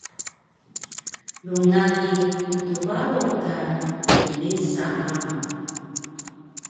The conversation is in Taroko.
rngagi Utux Baro ka pnesa namu